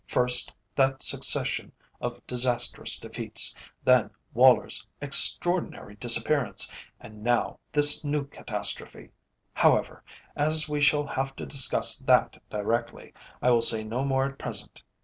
First, that succession of disastrous defeats, then Woller's extraordinary disappearance, and now this new catastrophe. However, as we shall have to discuss that directly, I will say no more at present.